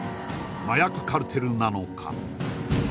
麻薬カルテルなのか？